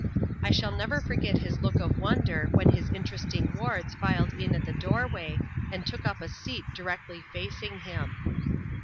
I shall never forget his look of won* der w)hen his interesting wards filed in at the doorway, and took up a seat directly facing him.